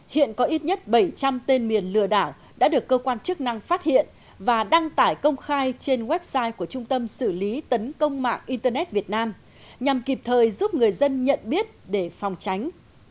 hiện có ít nhất bảy trăm linh tên miền lừa đảo đã được cơ quan chức năng phát hiện và đăng tải công khai trên website của trung tâm xử lý tấn công mạng internet việt nam nhằm kịp thời giúp người dân nhận biết để phòng tránh